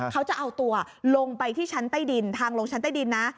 เขาจะเอาตัวลงไปที่ชั้นใต้ดินทางลงชั้นใต้ดินนะ